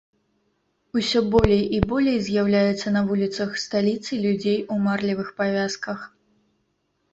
Усё болей і болей з'яўляецца на вуліцах сталіцы людзей у марлевых павязках.